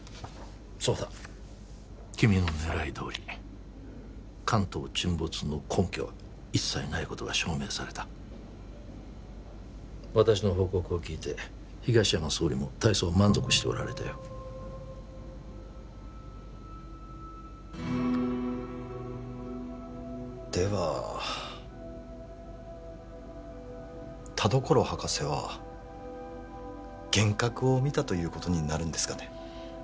そうだ君の狙いどおり関東沈没の根拠は一切ないことが証明された私の報告を聞いて東山総理も大層満足しておられたよでは田所博士は幻覚を見たということになるんですかね？